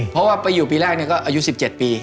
เพราะว่าไปอยู่ปีแรกก็อายุสิบเจ็ดปี